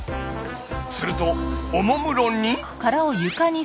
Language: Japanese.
するとおもむろに。